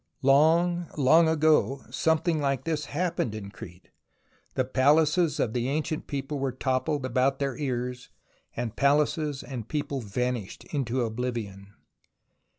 Long, long ago something like this happened in Crete ; the palaces of the ancient people were toppled about their ears and palaces and people vanished into oblivion.